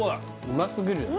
うますぎるよ